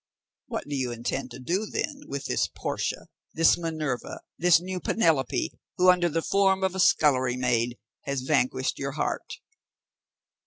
"What do you intend to do, then, with this Portia, this Minerva, this new Penelope, who, under the form of a scullery maid, has vanquished your heart?"